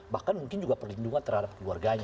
bahkan mungkin juga perlindungan terhadap keluarganya